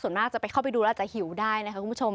ส่วนมากจะไปเข้าไปดูแล้วอาจจะหิวได้นะคะคุณผู้ชม